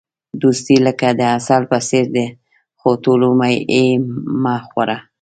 دوستي لکه د عسل په څېر ده، خو ټوله یې مه خوره.